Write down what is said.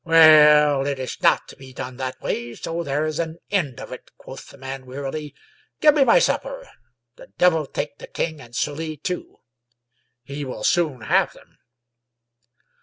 " Well, it is not to be done that way, so there is an end of it," quoth the man wearily. " Give me my supper. The devil take the king and Sully tool He will soon have them."